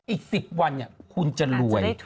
อีก๑๐วันคุณจะรวย